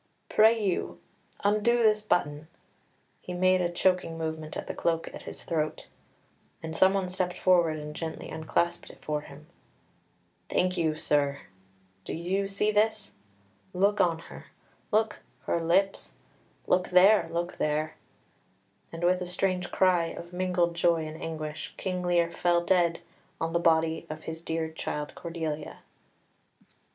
Pray, you, undo this button." He made a choking movement at the cloak at his throat, and someone stepped forward and gently unclasped it for him. "Thank you, sir. Do you see this? Look on her look, her lips look there, look there!" and with a strange cry of mingled joy and anguish King Lear fell dead on the body of his dear child Cordelia.